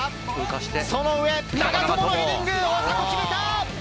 長友のヘディング大迫、決めた！